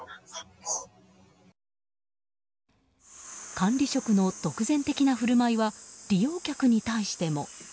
管理職の独善的な振る舞いは利用客に対しても。